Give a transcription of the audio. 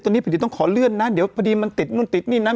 ตอนนี้ผิดต้องขอเลื่อนนะเดี๋ยวพอดีมันติดนู่นติดนี่นั้น